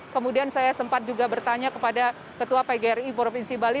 kemudian saya sempat juga bertanya kepada ketua pgri provinsi bali